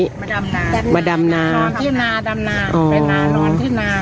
มาดำนามาดำนานอนที่นาดำนาไปนานอนที่นา